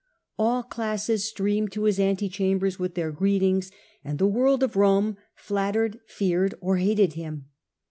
All classes streamed to his ante chambers with their greetings, and the world of Rome flattered, feared, or hated him.